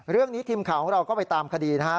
เรื่องนี้ทีมข่าวของเราก็ไปตามคดีนะฮะ